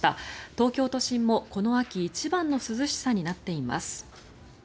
東京都心もこの秋一番の涼しさになっています。